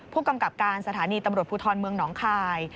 ผู้กำกับการสถานีตำรวจภูทรเมืองหนองคาย